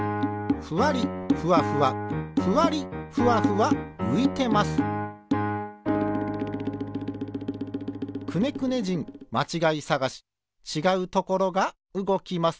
ふわりふわふわふわりふわふわういてます「くねくね人まちがいさがし」ちがうところがうごきます。